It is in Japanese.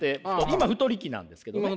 今太り期なんですけどね。